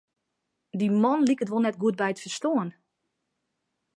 Dy man liket wol net goed by it ferstân.